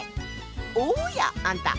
おやあんた